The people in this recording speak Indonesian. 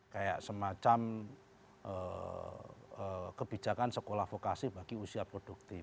kayak semacam kebijakan sekolah vokasi bagi usia produktif